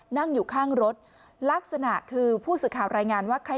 นั่งอยู่ข้างรถลักษณะคือผู้สื่อข่าวรายงานว่าใคร